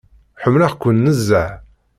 Ḥemmleɣ-ken nezzeh.